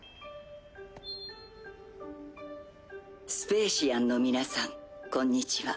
スペーシアンの皆さんこんにちは。